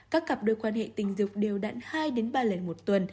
các cặp đôi quan hệ tình dục đều đặn hai ba lần nữa